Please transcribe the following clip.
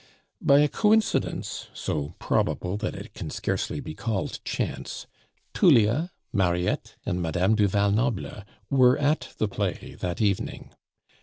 By a coincidence so probable that it can scarcely be called chance, Tullia, Mariette, and Madame du Val Noble were at the play that evening.